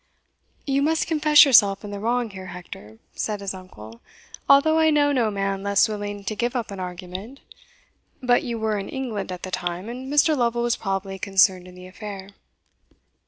"You must confess yourself in the wrong here, Hector," said his uncle, "although I know no man less willing to give up an argument; but you were in England at the time, and Mr. Lovel was probably concerned in the affair."